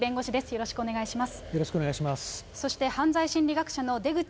よろしくお願いします。